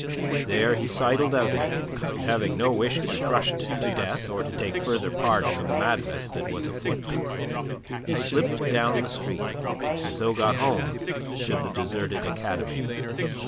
There he sidled out of it, and having no wish to be crushed to death or to take further part in the madness that was afoot, he slipped down the street, and so got home to the deserted academy.